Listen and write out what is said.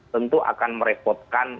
tentu akan merepotkan